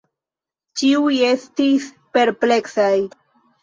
Ĉiuj estis perpleksaj.